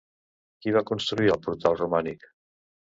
Qui va construir el portal romànic?